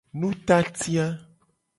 Nutati a.